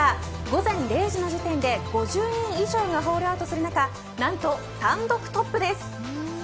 午前０時の時点で５０人以上がホールアウトする中何と単独トップです。